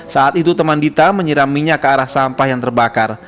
saat itu teman dita menyiram minyak ke arah sampah yang terbakar